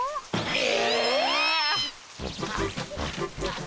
え！